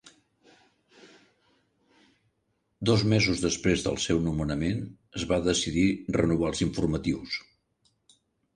Dos mesos després del seu nomenament, es va decidir renovar els informatius.